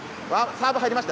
サーブ入りましたよ。